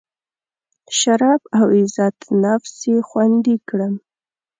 شرف او عزت نفس یې خوندي کړم.